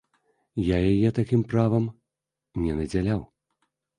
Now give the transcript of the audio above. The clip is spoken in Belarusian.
Я яе такім правам не надзяляў.